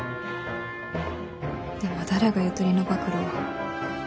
でも誰がゆとりの暴露を。